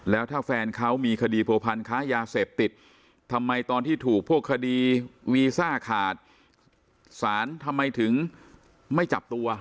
แล้วถ้าแฟนเขามีคดีผัวพันธ์ค้ายาเสพติดทำไมตอนที่ถูกพวกคดีวีซ่าขาดสารทำไมถึงไม่จับตัว